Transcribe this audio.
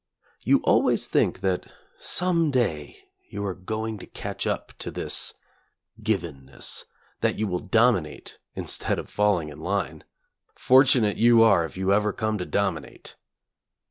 You al ways think that some day you are going to catch up to this givenness, that you will dominate in stead of falling in line. Fortunate you are if you ever come to dominate!